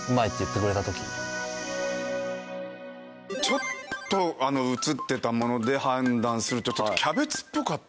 ちょっと映ってたもので判断するとちょっとキャベツっぽかったんですよ。